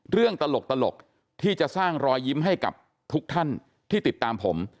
ตลกที่จะสร้างรอยยิ้มให้กับทุกท่านที่ติดตามผม